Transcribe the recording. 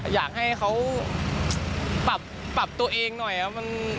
อยากให้เขาปรับตัวเองหน่อยครับ